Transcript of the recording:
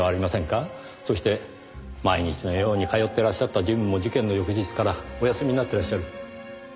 そして毎日のように通ってらっしゃったジムも事件の翌日からお休みになってらっしゃる。